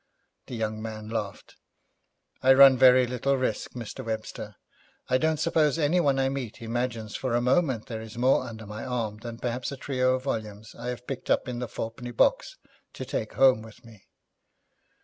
The young man laughed. 'I run very little risk, Mr. Webster. I don't suppose anyone I meet imagines for a moment there is more under my arm than perhaps a trio of volumes I have picked up in the fourpenny box to take home with me.'